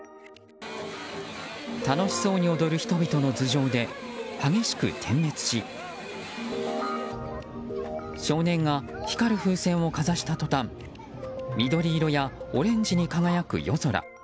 楽しそうに踊る人々の頭上で激しく点滅し少年が、光る風船をかざした途端緑色やオレンジに輝く夜空。